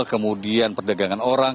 kemudian perdagangan orang